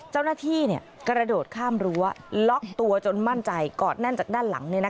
เจ้าหน้าที่กระโดดข้ามรั้วล็อกตัวจนมั่นใจกอดแน่นจากด้านหลัง